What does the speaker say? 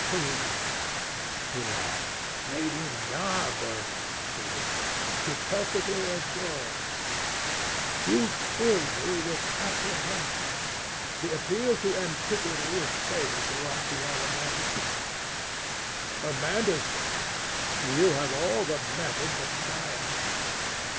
"Who?" He laughed. "Lady Narborough," he whispered. "She perfectly adores him." "You fill me with apprehension. The appeal to antiquity is fatal to us who are romanticists." "Romanticists! You have all the methods of science."